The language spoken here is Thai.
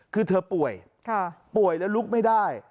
คือเธอป่วยป่วยแล้วลุกไม่ได้